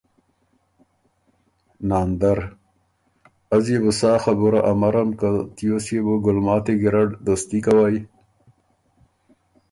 ناندر ـــ ”از يې بُو سا خبُره امرم که تیوس يې بُو ګلماتی ګیرډ دوستي کوئ“